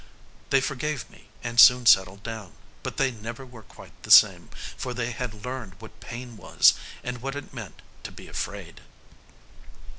They forgave me and soon settled down, but they never were quite the same, for they had learned what pain was and what it meant to be afraid.